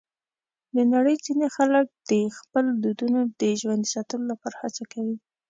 د نړۍ ځینې خلک د خپلو دودونو د ژوندي ساتلو لپاره هڅه کوي.